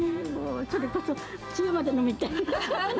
それこそ、つゆまで飲みたい。